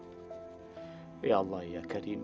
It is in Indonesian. assalamualaikum warahmatullahi wabarakatuh